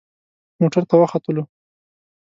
موټر ته وختلو.